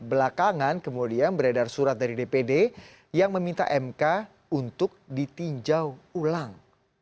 belakangan kemudian beredar surat dari dpd yang meminta mk untuk ditinjau ulang